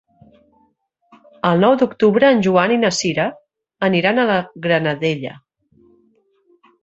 El nou d'octubre en Joan i na Sira aniran a la Granadella.